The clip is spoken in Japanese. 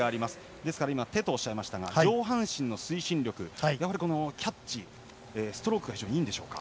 ですから今手とおっしゃいましたが上半身の推進力やはりキャッチストロークがいいんでしょうか。